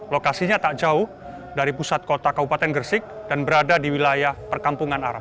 lokasinya tak jauh dari pusat kota kabupaten gersik dan berada di wilayah perkampungan arab